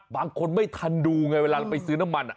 บางคนไม่ทันดูไงเวลาเราไปซื้อน้ำมัน